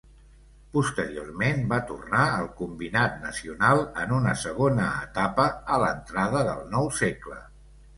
Posteriorment, va tornar al combinat nacional en una segona etapa, a l'entrada del nou segle.